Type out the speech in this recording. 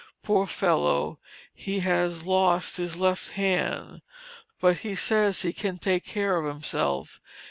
Poor fellow, he has lost his left hand, but he says he can take care of himself.